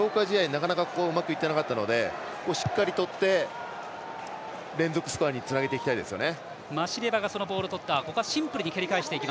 強化試合、なかなかうまくいってなかったのでしっかりとって、連続スコアにつなげていきたいですね。